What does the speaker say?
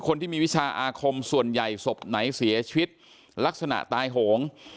คนที่มีวิชาอาคมส่วนใหญ่ศพไหนเสียชีวิตลักษณะตายโหง